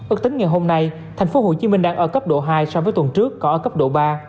ước tính ngày hôm nay tp hcm đang ở cấp độ hai so với tuần trước có ở cấp độ ba